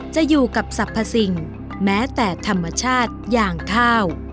จะอยู่กับสรรพสิ่งแม้แต่ธรรมชาติอย่างข้าว